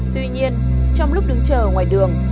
tuy nhiên trong lúc đứng chờ ở ngoài đường